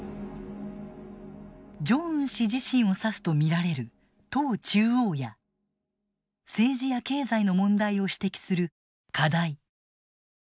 ジョンウン氏自身を指すと見られる「党中央」や政治や経済の問題を指摘する「課題」。